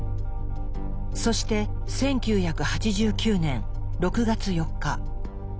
そして１９８９年６月４日。